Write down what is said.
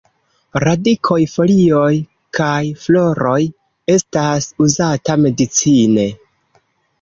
Radikoj, folioj kaj floroj estas uzata medicine.